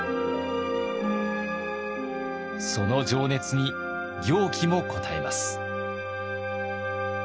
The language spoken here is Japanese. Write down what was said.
その情熱に行基も応えます。